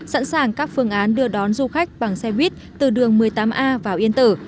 sẵn sàng các phương án đưa đón du khách bằng xe buýt từ đường một mươi tám a vào yên tử